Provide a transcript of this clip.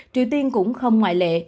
triều tiên cũng không ngoại lệ